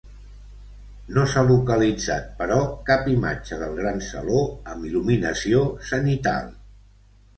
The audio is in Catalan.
No s'ha localitzat, però, cap imatge del gran saló amb il·luminació zenital.